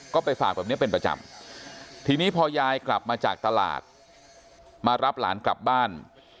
ก็ไปฝากแบบนี้เป็นประจำทีนี้พอยายกลับมาจากตลาดมารับหลานกลับบ้าน